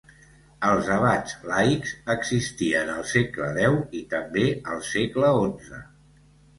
Els abats laics existien al segle X i també al segle XI.